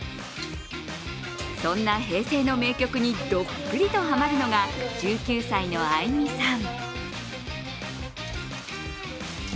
そんな平成の名曲にどっぷりとハマるのが１９歳の愛海さん。